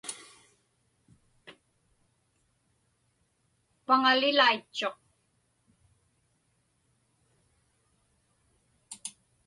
Paŋalilaitchuq.